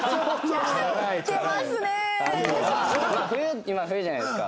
冬今冬じゃないですか。